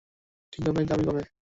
ঠিকভাবে গাবি কবে?